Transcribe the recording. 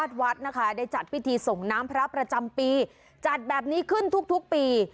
วัดนะคะได้จัดพิธีส่งน้ำพระประจำปีจัดแบบนี้ขึ้นทุกปี